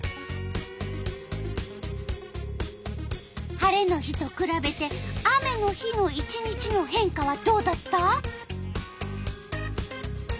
晴れの日とくらべて雨の日の１日の変化はどうだった？